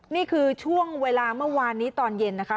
นี่คือช่วงเวลาเมื่อวานนี้ตอนเย็นนะคะ